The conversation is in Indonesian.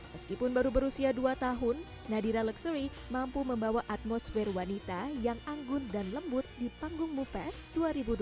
meskipun baru berusia dua tahun nadira luxury mampu membawa atmosfer wanita yang anggun dan lembut di panggung mufest dua ribu dua puluh tiga